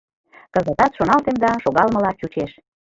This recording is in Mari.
Кызытат шоналтем да шогалмыла чучеш.